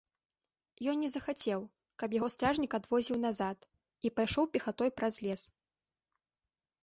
Ён не захацеў, каб яго стражнік адвозіў назад, і пайшоў пехатой праз лес.